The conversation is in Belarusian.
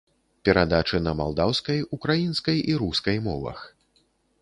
Перадачы на малдаўскай, украінскай і рускай мовах.